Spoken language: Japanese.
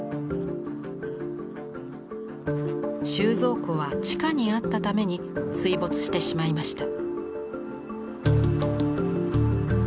収蔵庫は地下にあったために水没してしまいました。